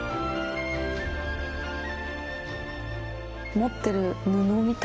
持ってる布みたいな。